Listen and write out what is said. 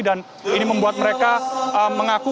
dan ini membuat mereka mengaku